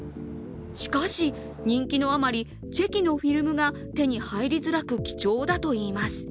しかし、人気のあまり、チェキのフィルムが手に入りづらく、貴重だといいます。